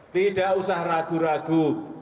tidak usah ragu ragu